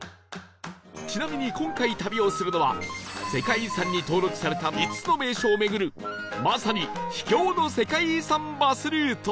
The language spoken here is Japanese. ちなみに今回旅をするのは世界遺産に登録された５つの名所を巡るまさに秘境の世界遺産バスルート